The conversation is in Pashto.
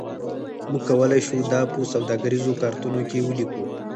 موږ کولی شو دا په سوداګریزو کارتونو کې ولیکو